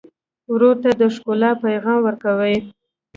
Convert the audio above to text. ورور ته د ښکلا پیغام ورکوې.